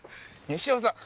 西尾さん！